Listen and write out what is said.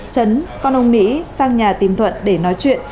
chấn con ông mỹ sang nhà tìm thuận để nói chuyện